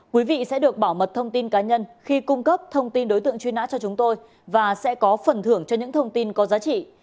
quý vị sẽ được bảo mật thông tin cá nhân khi cung cấp thông tin đối tượng truy nã cho chúng tôi và sẽ có phần thưởng cho những thông tin có giá trị